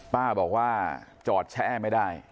ป้าบอกว่าจอดแช่ไม่ได้